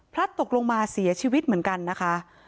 ตกลงมาเสียชีวิตเหมือนกันนะคะ